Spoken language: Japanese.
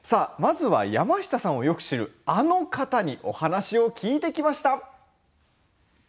まずは山下さんをよく知るあの方にお話を聞いてきました。